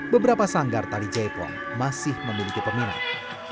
beberapa sanggar tali jaipong masih memiliki peminat